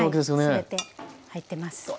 全て入ってます。